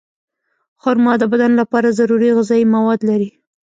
خرما د بدن لپاره ضروري غذایي مواد لري.